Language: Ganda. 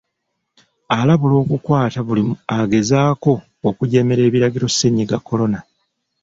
Alabula okukwata buli agezaako okujeemera ebiragiro ssennyiga Corona.